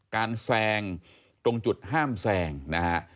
แซงตรงจุดห้ามแซงนะฮะ